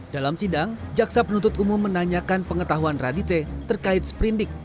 dalam sidang jaksa penuntut umum menanyakan pengetahuan radite terkait sprindik